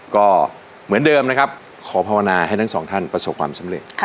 ก็เหมือนเดิมนะครับขอภาวนาให้ทั้งสองท่านประสบความสำเร็จ